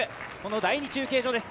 第２中継所です